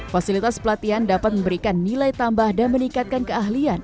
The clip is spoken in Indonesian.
fasilitas pelatihan dapat memberikan nilai tambah dan meningkatkan keahlian